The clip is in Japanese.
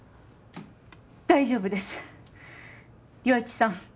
大丈夫です良一さん